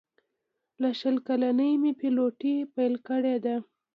له شل کلنۍ مې پیلوټي پیل کړې ده.